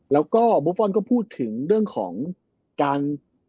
แล้วก็บุฟฟอลก็พูดถึงเรื่องของการ